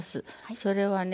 それはね